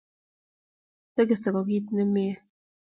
Tegisto ko kit nemye.